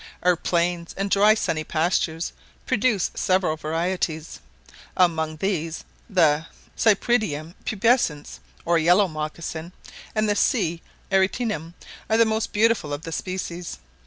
Our plains and dry sunny pastures produce several varieties; among these, the Cypripedium pubescens, or yellow mocassin, and the C. Arietinum are the most beautiful of the species.